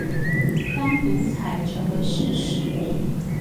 當獨裁成為事實